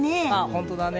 本当だね。